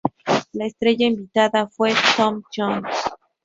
La estrella invitada fue Tom Jones.